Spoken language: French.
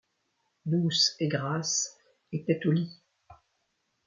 Douce et Grâce étaient au lit.